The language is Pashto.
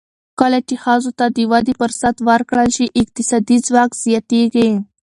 کله چې ښځو ته د ودې فرصت ورکړل شي، اقتصادي ځواک زیاتېږي.